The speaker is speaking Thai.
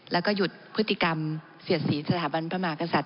แล้วก็หยุดพฤติกรรมเสียดสีสถาบันพระมหากษัตริย